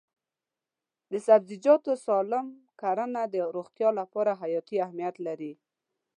د سبزیجاتو سالم کرنه د روغتیا لپاره حیاتي اهمیت لري.